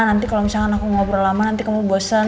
nanti kalau misalkan aku ngobrol lama nanti kamu bosan